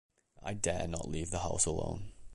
I dare not leave the house alone.